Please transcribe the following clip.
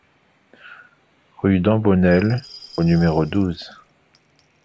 Rue d'Embonnel au numéro douze